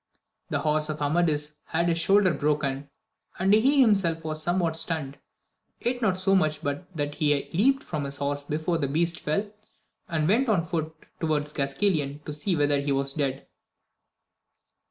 The horse of Amadis had his shoulder broken, and he himself was somewhat stunned, yet not so much but that he leaped from his horse before the beast fell, and went on foot towards Gasquilan to see whether he was dead.